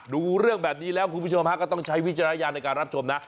ดูเรื่องแบบนี้แล้วคุณผู้ชมฮะก็ต้องใช้วิจารณญาณในการรับชมนะ